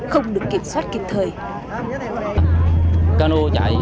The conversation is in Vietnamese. không được tìm ẩn